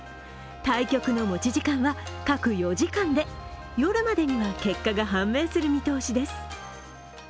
対局の持ち時間は各４時間で、夜までには、結果が判明する見通しです。